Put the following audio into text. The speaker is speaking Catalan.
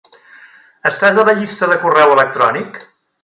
Estàs a la llista de correu electrònic?